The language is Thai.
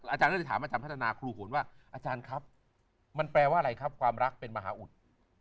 อาจารย์ก็เลยถามอาจารย์พัฒนาครูขวนว่าอาจารย์ครับมันแปลว่าอะไรครับความรักเป็นมหาอุด